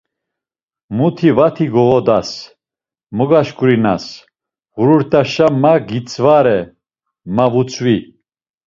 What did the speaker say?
Muti vati gağodas, mo gaşǩurinas, ğurut̆aşa ma gitzvare ma vutzvi.